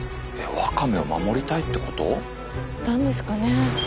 ワカメを守りたいってこと？なんですかね。